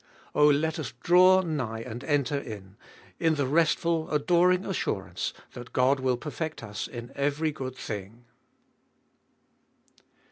Oh, let us draw nigh and enter in, in the restful, adoring assurance that God will perfect us in every good thing.